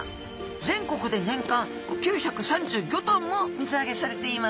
全国で年間９３５ｔも水揚げされています。